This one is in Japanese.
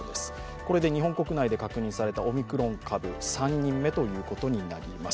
これで日本国内で確認されたオミクロン株３人目ということになります。